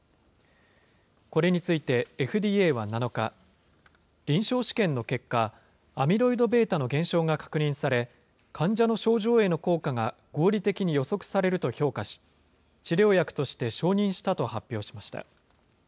これについてＦＤＡは７日、臨床試験の結果、アミロイドβの減少が確認され、患者の症状への効果が合理的に予測されると評価し、治療薬として承認したと発表しました。